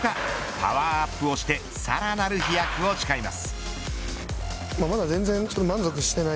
パワーアップをしてさらなる飛躍を誓います。